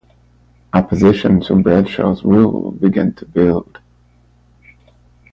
Opposition to Bradshaw's rule began to build.